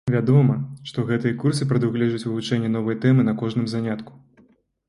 Вядома, што гэтыя курсы прадугледжваюць вывучэнне новай тэмы на кожным занятку.